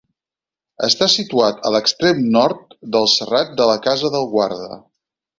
Està situat a l'extrem nord del Serrat de la Casa del Guarda.